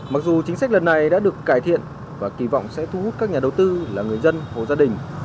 mặc dù chính sách lần này đã được cải thiện và kỳ vọng sẽ thu hút các nhà đầu tư là người dân hồ gia đình